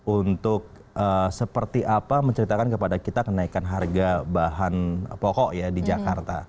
untuk seperti apa menceritakan kepada kita kenaikan harga bahan pokok ya di jakarta